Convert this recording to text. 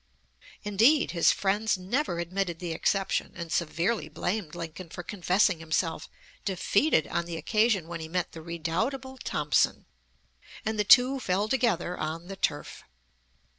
Indeed, his friends never admitted the exception, and severely blamed Lincoln for confessing himself defeated on the occasion when he met the redoubtable Thompson, and the two fell together on the turf.